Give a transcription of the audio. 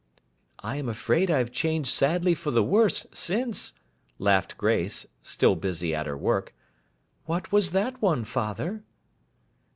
'I am afraid I have changed sadly for the worse, since,' laughed Grace, still busy at her work. 'What was that one, father?